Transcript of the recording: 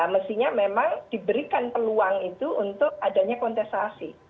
mestinya memang diberikan peluang itu untuk adanya kontestasi